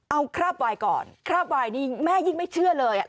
เอาคราบไวน์ก่อนคราบไวน์นี่แม่ยิ่งไม่เชื่อเลย